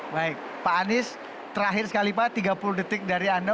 baik pak anies terakhir sekali pak tiga puluh detik dari anda